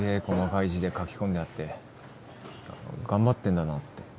細かい字で書き込んであって頑張ってんだなって